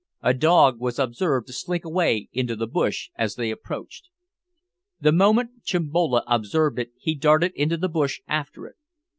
A dog was observed to slink away into the bush as they approached. The moment Chimbolo observed it he darted into the bush after it.